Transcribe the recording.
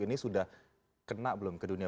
ini sudah kena belum ke dunia